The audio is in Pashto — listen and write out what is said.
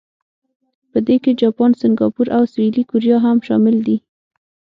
په دې کې جاپان، سنګاپور او سویلي کوریا هم شامل دي.